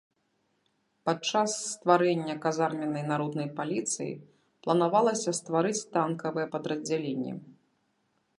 Падчас стварэння казарменнай народнай паліцыі планавалася стварыць танкавыя падраздзяленні.